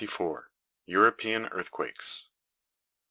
EUROPEAN EARTHQUAKES.